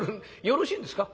よろしいんですか？